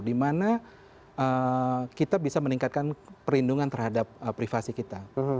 dimana kita bisa meningkatkan perlindungan terhadap privasi kita